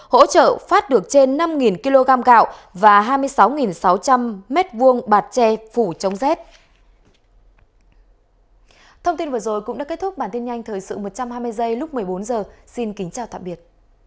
hỗ trợ phát được trên năm kg gạo và hai mươi sáu sáu trăm linh m hai bạt tre phủ chống rét